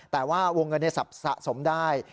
แต่ว่าวงเงินในศัพท์สะสมได้